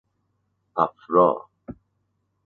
اََفرا